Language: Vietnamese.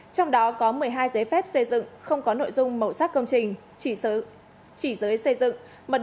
trong đó có một mươi hai giấy phép xây dựng không có nội dung màu sắc công trình chỉ giới xây dựng